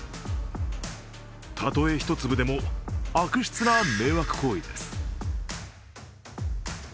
たとえ１粒でも、悪質な迷惑行為です。